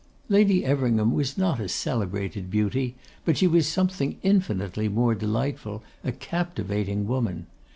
Lady Everingham was not a celebrated beauty, but she was something infinitely more delightful, a captivating woman.